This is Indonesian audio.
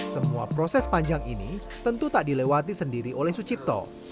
semua proses panjang ini tentu tak dilewati sendiri oleh sucipto